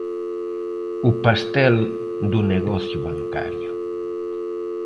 'O pastel do negocio bancario'.